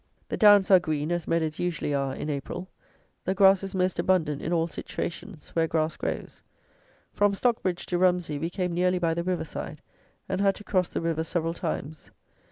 The downs are green as meadows usually are in April. The grass is most abundant in all situations, where grass grows. From Stockbridge to Rumsey we came nearly by the river side, and had to cross the river several times.